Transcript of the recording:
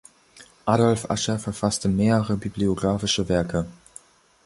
Adolf Asher verfasste mehrere bibliographische Werke.